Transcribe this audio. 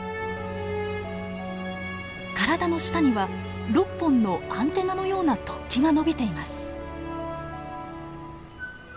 体の下には６本のアンテナのような突起が伸びています。